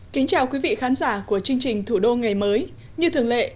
kính chào quý vị khán giả của chương trình thủ đô ngày mới như thường lệ